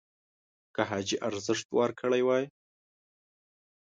که حاجي ارزښت ورکړی وای